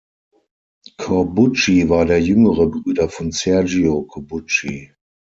Corbucci war der jüngere Bruder von Sergio Corbucci.